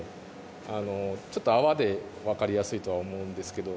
あのちょっと泡で分かりやすいとは思うんですけど。